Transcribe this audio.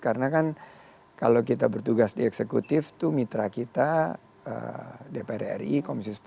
karena kan kalau kita bertugas di eksekutif tuh mitra kita dpr ri komisi sepuluh